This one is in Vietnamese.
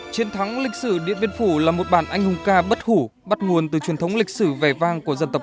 chiến thắng lịch sử điện biên phủ là một bản anh hùng ca bất hủ bắt nguồn từ truyền thống lịch sử vẻ vang của dân tộc